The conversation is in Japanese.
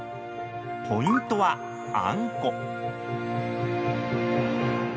ポイントは、あんこ。